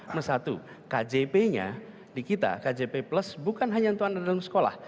plus satu kjp nya di kita kjp plus bukan hanya untuk anak dalam sekolah